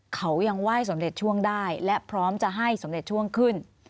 เขายังไหว้สมเด็จช่วงได้และพร้อมจะให้สำเร็จช่วงขึ้น